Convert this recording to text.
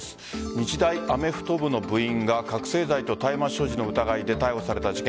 日大アメフト部の部員が覚せい剤と大麻所持の疑いで逮捕された事件。